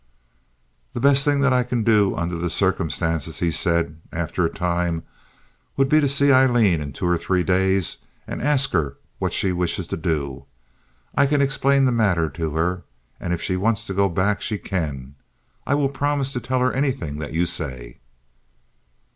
"The best thing that I can do under the circumstances," he said, after a time, "would be to see Aileen in two or three days, and ask her what she wishes to do. I can explain the matter to her, and if she wants to go back, she can. I will promise to tell her anything that you say."